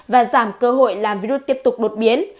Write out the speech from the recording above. và giảm cơ hội làm virus tiếp tục đột biến